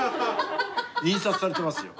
印刷されてますよ。